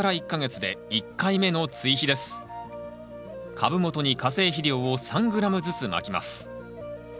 株元に化成肥料を３ｇずつまきます。